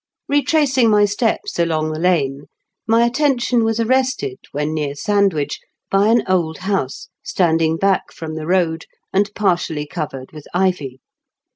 Ketracing my steps along the laae, my attention was arrested, when near Sandwich, by an old house, standing back from the road, a»d partially covicred with i vy.